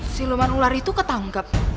siluman ular itu ketangkap